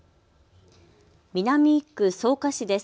南１区、草加市です。